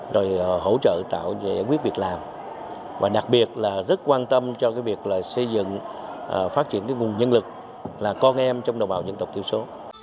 rồi hỗ trợ tạo về quyết việc làm và đặc biệt là rất quan tâm cho cái việc là xây dựng phát triển cái nguồn nhân lực là con em trong đồng bào dân tộc thiểu số